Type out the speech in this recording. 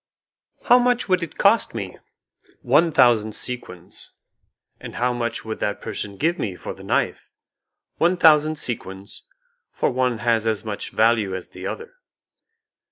"How much would it cost me?" "One thousand sequins." "And how much would that person give me for the knife?" "One thousand sequins, for one has as much value as the other."